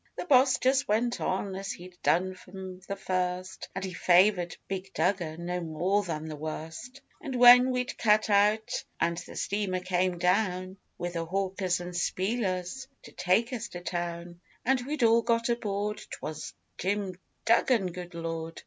The Boss just went on as he'd done from the first, And he favoured Big Duggan no more than the worst; And when we'd cut out and the steamer came down With the hawkers and spielers to take us to town, And we'd all got aboard, 'twas Jim Duggan, good Lord!